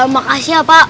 makasih ya pak